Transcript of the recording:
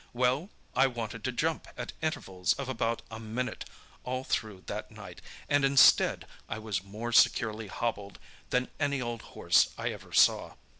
Well, I wanted to jump at intervals of about a minute all through that night, and instead, I was more securely hobbled than any old horse I ever saw.